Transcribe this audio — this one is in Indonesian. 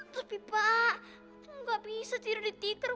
tapi pak enggak bisa tidur di tikar